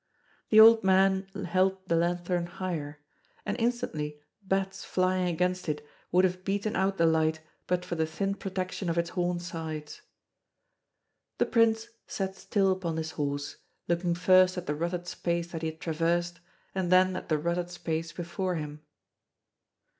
The old man held the lanthorn higher; and instantly bats flying against it would have beaten out the light but for the thin protection of its horn sides. The Prince sat still upon his horse, looking first at the rutted space that he had traversed and then at the rutted space before him.